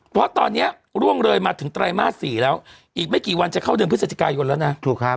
เพราะตอนนี้ร่วงเลยมาถึงไตรมาส๔แล้วอีกไม่กี่วันจะเข้าเดือนพฤศจิกายนแล้วนะ